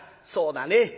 「そうだね。